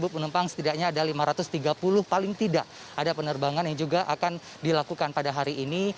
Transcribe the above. sepuluh penumpang setidaknya ada lima ratus tiga puluh paling tidak ada penerbangan yang juga akan dilakukan pada hari ini